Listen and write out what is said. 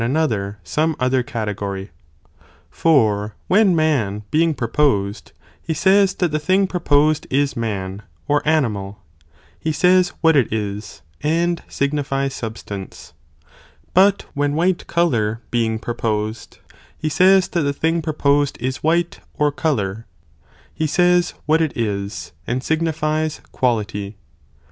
another some other category.. For when man being proposed, he says that the thing proposed is man or animal, he says what it is, and signifies substance ; but when white colour being proposed, he says that the thing proposed is white or colour, he says what it 'is, and signifies quality.